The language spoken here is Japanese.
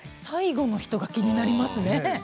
最後の人が気になりますね。